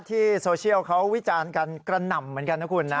โซเชียลเขาวิจารณ์กันกระหน่ำเหมือนกันนะคุณนะ